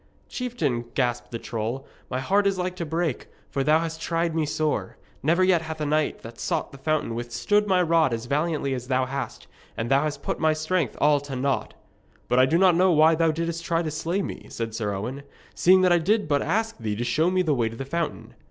'Chieftain,' gasped the troll, 'my heart is like to break, for thou hast tried me sore. Never yet hath a knight that sought the fountain withstood my rod as valiantly as thou hast, and thou hast put my strength all to naught.' 'But I know not why thou didst try to slay me,' said Sir Owen, 'seeing that I did but ask thee to show me my way to the fountain.'